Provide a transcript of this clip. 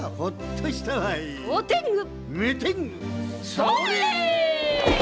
それ！